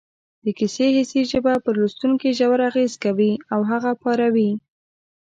د کیسې حسي ژبه پر لوستونکي ژور اغېز کوي او هغه پاروي